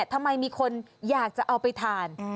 ทำไมมีคนอยากจะเอาไปทาน